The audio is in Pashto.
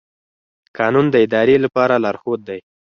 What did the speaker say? قانون د ادارې لپاره لارښود دی.